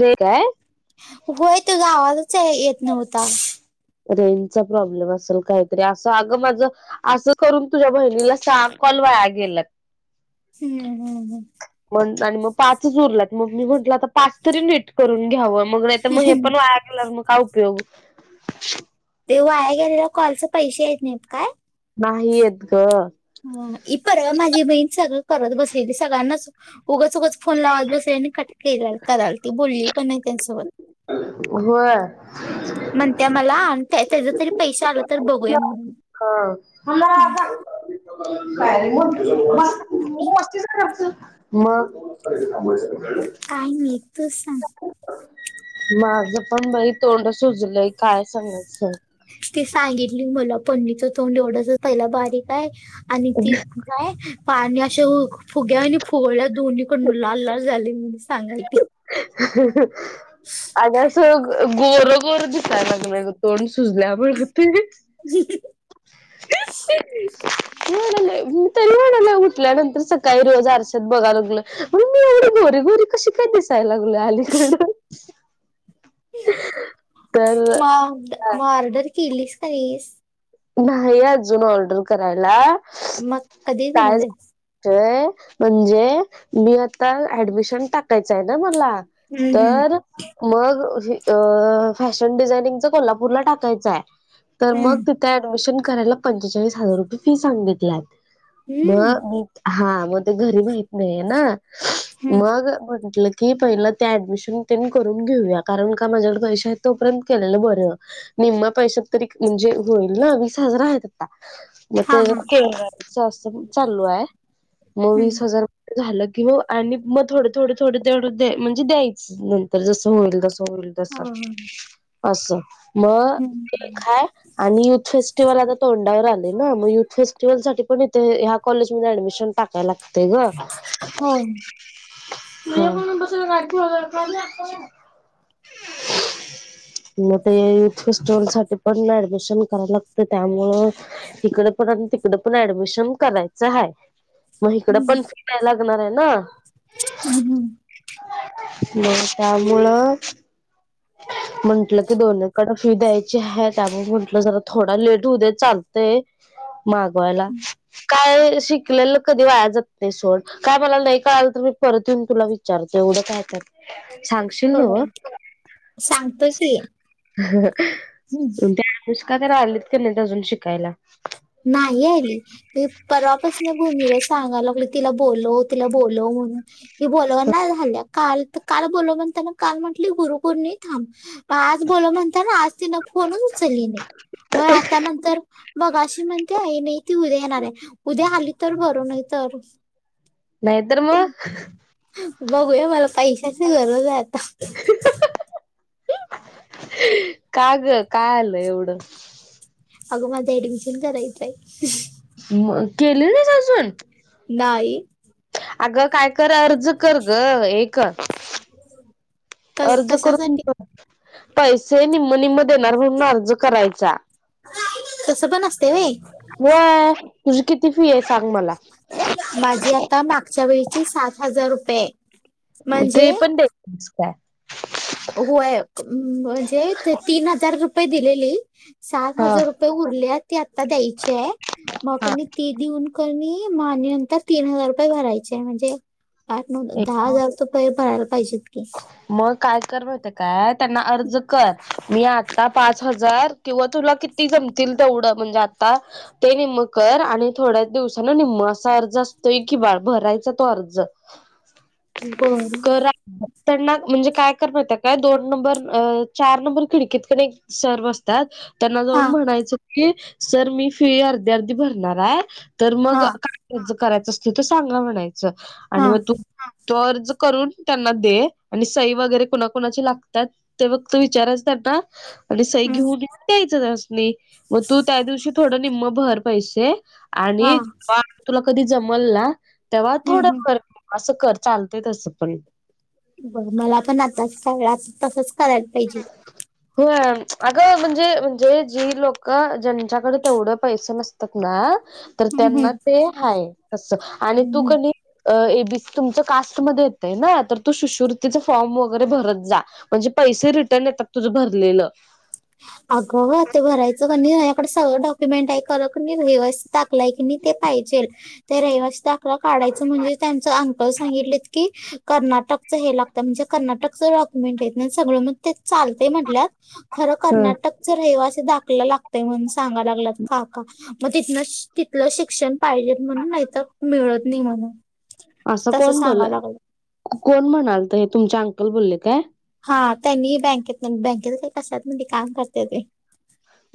Rake आहे होय तुझा आवाजच याया येत नव्हता. रेंचा प्रॉब्लेम असेल काहीतरी असं अगं माझं असं करून तुझ्या बहिणीला सांग कॉल वाया गेल्यात. [unintelligible] हम्म हम्म. म्हण आणि मग पाचच उरलात मग मी म्हंटलं आता पाच तरी नीट करून घ्यावं. मग नाही तर मग हे पण वाया गेलं मग काय उपयोग. ते वाया गेलेला कॉलचे पैशे येत नाहीत काय? नाही येत गं. म ही परवा माझी बहीण सगळं करत बसलेली सगळ्यांनाच उगच-उगच फोन लावात बस्यांनी कट केरल. कराल ती बोलली पण नाही त्यांसोबत. होय. म्हणत्या मला आणि त्या त्याज्या तरी पैसे आलं तर बघूया म्हणून. हा. आणि मग काही नाही तूच सांग? माझ पण बाई तोंड सुजलंय काय सांगायचं. ती सांगितली मला पणनीचं तोंड एवढंच पहिला बारीक आहे आणि ती काय पाण्याचं [unintelligible] फुग्या आणि फुगळ्या दोन्हीकडून लाल लाल झालय म्हणून सांगालती. [inaudible] आल्यावर सगळं गोरं, गोरं दिसायला लागलय गं तोंड सुजल्यावर. [inaudible] [unintelligible] तरी म्हणालोय उठल्यानंतर सकाळी रोज आरशात बघाय लागल म एवढी गोरी गोरी कशी पण दिसाय लागलोय अलीकड? तर मग ऑर्डर केलीस [unintelligible] नाही अजून ऑर्डर करायला मग कधी देणार हाईस? ते म्हणजे मी आता ऍडमिशन टाकायचं आहे ना मला हम्म हम्म तर मग अ-फॅशन डिझायनिंगच कोल्हापूरला टाकायचं आहे तर मग हम्म त्या ऍडमिशन करायला पंचेचाळीस हजार रुपये फी सांगितलाय म हम्म हा मग ते घरी माहित नाही ना हम्म मग म्हटलं ती पहिलं त्या ऍडमिशन त्यांनी करून घेऊया, कारण का माझ्याकडे पैसे आहेत तोपर्यंत केलेलं बर. निम्म पैशात तरी म्हणजे होईल, ना वीस हजार आहेत आता. मग हा हा त्या [unintelligible] असं चालू आहे मग वीस हम्म हजार झालं की हो आणि मग थोडं, थोडं, थोडं तेवढ म्हणजे द्यायचं. नंतर जसं होईल तसं होईल. हो असं मग हम्म ते एक हाय. आणि यूथ फेस्टिव्हल आता तोंडावर आलाय. मग युथ फेस्टिवल साठी पण इथे ह्या कॉलेज मध्ये ऍडमिशन टाकायला लागते ग. हो. [inaudible] मग युथ फेस्टिवल साठी पण ॲड डमिशन करायला लागतय त्यामुळं हिकड पण तिकड पण ऍडमिशन करायचं आहे. मग इकडे पण सुट्ट्या लागणार आहे ना. हम हम. मग त्यामुळं म्हंटलं की दोन्ही कड फी द्यायची आहे त्यामुळ मग जरा थोडा लेट होऊदे चालतय मागवायला काय श शिकलेलं कधी वाया जात नाही सोड, काय मला नाही कळाल तर मी परत येेऊन तुला विचारतो एवढं काय त्यात. सांगशील नव्हं. हो सांगतो की हम्म त्या नुसका तेन आलीत की नाही अजून शिकायला. नाही आली. मी परवापास न भूमीला सांगाय लागलोय तिला बोलव, तिला बोलव म्हणून. ती बोलवना झालीय. काल तर काल बोलव म्हणताना काल म्हटली गुरु पौर्णिमा थांब आज बोलव म्हणताना आज तिन फोन उचलली नाही आता नंतर मगाशी ती म्हणतीया आई नाही ती उद्या येणार आहे. उद्या आली तर बरं नाही तर नाहीतर मग बघूया मला पैशाची गरज आहे आता. का ग का आलं एवढं? अगं माझ ऍडमिशन करायच आहे. केली नाहीस अजून? नाही. अगं काय कर अर्ज कर ग एक. ह [inaudible] अर्ज करून पैसे निम, निम देणार म्हणून अर्ज करायचा. तसं पण असते वे होय तुझी किती फी आहे सांग मला? माझी आता मागच्या वेळीची सात हजार रुपये. म्हणजे ते पण देतीस काय? होय म्हणजे तीन हजार रुपये दिलेली सात हा हजार रुप उरली येत ते आता द्यायचे आहे. मग हा. म ती देऊन का नाही म आणि नंतर तीन हजार रुपये भरायचे आहे म्हणजे आठ, नऊ, दहा एकूण हजार रुपये पाहिजेत की. मग काय कर माहित आहे काय त्यांना अर्ज कर मी आ आता पाच हजार किंवा तुला किती जमतील तेवढं म्हणजे आता ते निम्म कर आणि थोड्याच दिवसान निम्म असा अर्ज असतोय की भरायचा तो अर्ज. होय [inaudible] करा त्यांना म्हणजे काय कर माहित आहे काय दोन नंबर अ चार नंबर खिडकीत पण एक सर बसतात. त्यांना हा जाऊन म्हणायचं की सर मी फी अर्धी, अर्धी भरणार आहे. तर मग हा काय कर्ज करायचं असते तर सांगा म्हणायचं हा आणि मग तू तो अर्ज करून त्यांना दे आणि सई वगैरे कोणाकुणाची लागतात ते फक्त विचाराच त्यांना आणि सई हम्म घेऊन द्यायचं त्यासनी मग तू त्या दिवशी थोड निम्म भर पैसे आणि हा जेव्हा तुला कधी जमल ना तेव्हा हम्म थोड हम्म भर. असं कर चालतय तस पण. बाई मला पण आताच सगळाच तसच करायला पाहिजे. हो अगं म्हणजे, म्हणजे जी लोक ज्यांच्याकडे तेवढं पैसे नसतात ना तर हम्म त्यांना ते हाय अस आणि हम्म तू हम्म कधी ए बी सी तुमच कास्टमध्ये येतय ना तर तू शुश्रुतीचे फॉर्म वगैरे भरत जा. म्हणजे पैसे रिटर्न येतात तुझं भरलेलं. अगं ते भरायचं का नाही माझ्या कडे सगळं डॉक्युमेंट ऐ खर का नाही रहिवासी दाखला टाकलाय की ते पाहिजे त्या रहिवास दाकला काढायचं म्हणजे त्यांच अंक सांगितलेत की कर्नाटक व हे लागत आमचं कर्नाटकचं डॉक्युमेंट आहेत ना सगळं मग चालते म्हटत खर हम्म कर्नाटक कर्नाटकच रहिवासी दाखला लागतय म्हणून सांगा लागत काका मग तिथन तिथलं शिक्षण पाहिजे म्हणून नाही तर मिळत नाही म्हणे. असं कोण बोलल कोण म्हणालत हे तुमचे अंकल बोलले काय? हा त्यांनी बँकेत, बँकेत काही कसात म्हणते काम करते ते.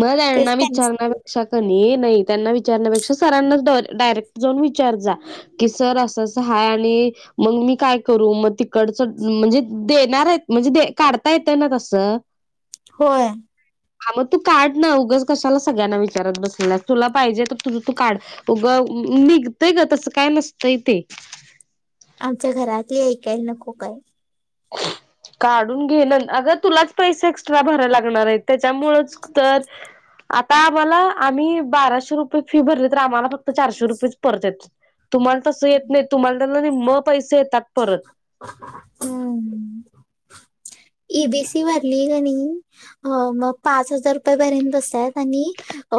मग तेच त्यांना त्यांनी सांगितलं विचारण्यापेक्षा का नाही त्यांना विचारण्यापेक्षा सरांनाच डायरेक्ट जाऊन विचार जा कि सर अस अस हाय आणि मग मी काय करू मग तिकडच म्हणजे देणार आहेत म्हणजे काढता येतय ना तस. होय हा मग तू काढ ना उगच कशाला सगळ्यांना विचारत बसले तुला पाहिजे तर तुझ तू काढ. उग निघतय ग तस काय नसतय ते. आमच्या घरातली ऐकाय नको काय. काढून घेन अग तुलाच पैसे एक्स्ट्रा भरा लागणार आहे त्याच्यामुळच. तर आता आम्हाला आम्ही बाराशे रुपये फी भरली तर आम्हाला फक्त चारशे रुपयेच परत येतात तुम्हाला तस येत नाही तुम्हाला त्यातल नीम्म पैसे येतात परत. हम्म हम्म इ बी सी भरली की नाही? हो मग पाच हजार रुपयापर्यंत बसतात आणि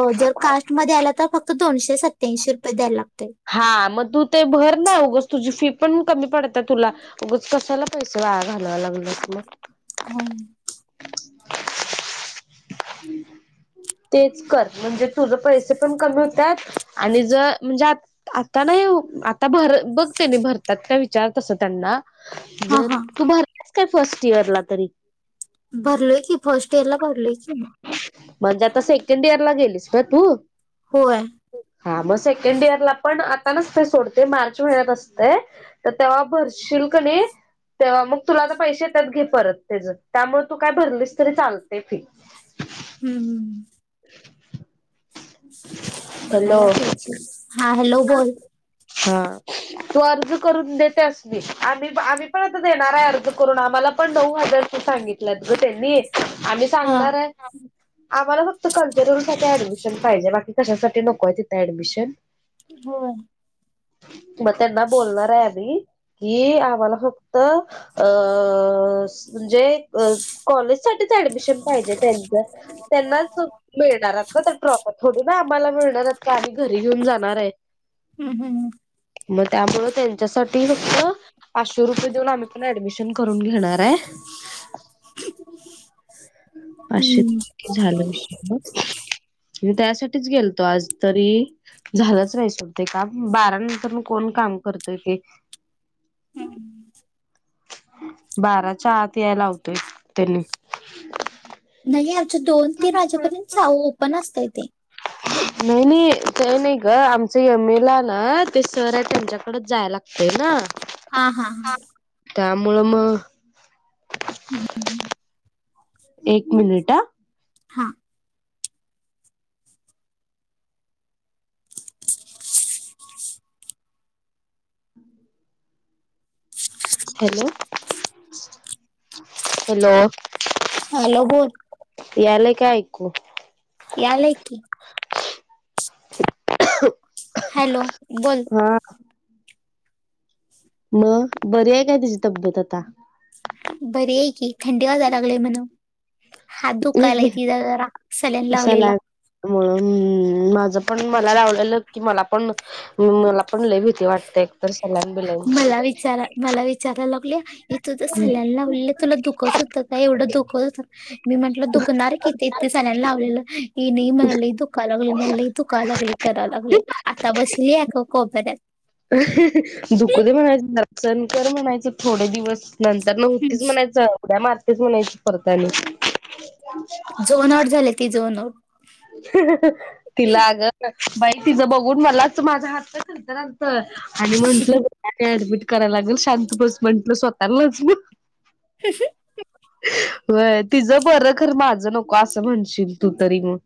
अ जर कास्टमध्ये आले तर फक्त दोनशे सत्याऐंशी रुपये द्यायला लागतात. हां मग तू ते भर ना उगच तुझी फी पण कमी पडते तुला. उगच कशाला पैसे वाया घालवायला लागली. होय [inaudible] तेच कर म्हणजे तुझ पैसे पण कमी होत्यात आणि जर ज्यात आता नाही आता भर बघते मी भरतात का विचार तस त्यांना. हा हा तू भरतेस काय फर्स्ट इयर ला तरी. भरले की फर्स्ट इयरला भरले. म्हणजे आता सेकंड इयरला गेलीस ना तू? होय हा मग सेकंड इयरला पण आता नसते सोड ते मार्च महिन्यात असते. तर तेव्हा भरशिलकनय. तेव्हा मग तुला तर पैसे येतात घे परत त्याच त्यामुळ तू काय भरलीस तरी चालते फी. हम्म हम्म हॅलो बघायला पाहिजे हां हॅलो बोल. हां तू अर्ज करून देतेस मी आम्ही आम्ही पण आता देणार आहे अर्ज करून आम्हाला पण नऊ हजारच सांगितलेत ग त्यांनी आम्ही हा. सांगणार आहे. आम्हाला फक्त कल्चरल साठी ऍडमिशन पाहिजे बाकी कशासाठी नको आहे तिथे ऍडमिशन. होय मग त्यांना बोलणार आहे आम्ही. कि आम्हाला फक्त अ म्हणजे कॉलेज साठी ऍडमिशन पाहिजे त्यांच. त्यांनाच मिळणार आहे. प्रॉपर थोडी ना आम्हाला मिळणार आहेत का आम्ही घरी घेऊन जाणार आहे. हम्म हम्म मग त्यामुळ त्यांच्यासाठी फक्त पाचशे रुपये देऊन आम्ही पण ऍडमिशन करून घेणार आहे. आशी हम्म. झाला विषय मी त्यासाठीच गेलतो आज तरी झालाच [unintelligible] का बारानंतर कोण काम करतय हे हम्म हम्म बाराच्या आत याय लावतोय त्यांनी. नाही अजून दोन तीन हा वाजेपर्यंत जाऊ ओपन असतय ते. नाही नाही काही नाही ग आमच यमिला ना ते सर आहेत त्यांच्याकडच जाय लागतय ना. हां हां त्यामुळं मग- हम्म. हं. एक मिनिट आं. हां. हॅलो. हॅलो. हॅलो. बोल. यायलय का ऐकू? यायलय की. हो. हॅलो. बोल. म बरी आहे का तिची तब्येत आता? बरी आहे की थंडी वाजाय लागले म्हण. हात दुखालाय तिचा जरा. सल्यान लावलेला सलाइ -मुळे. हं हं. माझं पण मला लावलेलं की मला पण, मला पण लई भीती वाटते. तर सलाइन बिलाइन. [unintelligible] मला विचाराय लागले. इथ तर सलाईन लावलेलं. तुला दुखत होतं का? एवढं दुखच होतं- मी म्हटलं दुखणार कि ते. एक त सलाईन लावलेलं. की नाही मला दुखाय लागल मला दुखाय लागली. कराय लागली. आता बसली एका कोपऱ्यात. दुखू दे म्हणायच. सहन कर म्हणायचं थोडे दिवस. नंतर न हम्म, होतीच म्हणायचं. उड्या मारतेच म्हणायची परत आणि. झोन आउट झाली. ती झोन आउट. तिला अग- बाई तिचं बघून मलाच माझा हात [unintelligible] आणि म्हंटलं- आणि ऍडमिट करायला लागेल. शांत बस म्हंटलं स्वतःलाच मग. [inaudible] व्हय. तिच बर खर माझं नको असं म्हणशील तू तरी मग.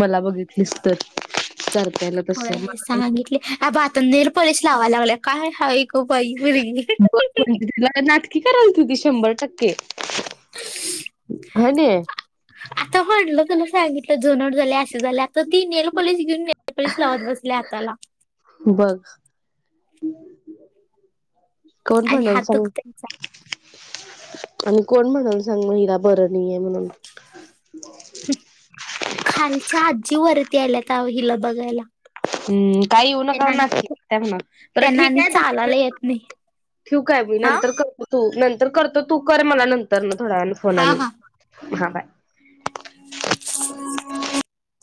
मला बघितलीस तर. [unintelligible] त्याला मला हे सांगितले. आता आपण नेर पॉलिश लावाय लागले. काय हा - [unintelligible] कि करायल तु ती शंभर टक्के. ह न. त म्हणलं का नाई सांगितलं जुनं झाल. अस झालय आता- ती नेलपॉलीश घेऊन नेलपॉलिश लावत बसली हाताला. बघ. कोण आणि म्हणाल हात सांग? दुखतायचा आणि कोण म्हणाल सांग. म हिला बर नाहीये म्हणून. खालच्या आजी वरती आल्यात अहो हिला बघायला. हम्म. काही येऊ नका त्यांना म्हणा आणि- -त्यांना. बर त्यांना आणि ठीकए त- चालायला येत नाही ठेवू काय म? हा नंतर कर- -तो. नंतर करतो. तू कर मला नंतर ना थोड्या वेळानी फोन हा आणि. हा हा. बाय.